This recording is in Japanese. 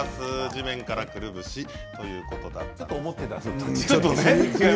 地面からくるぶしということだったんですが。